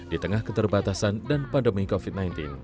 di tengah keterbatasan dan pandemi covid sembilan belas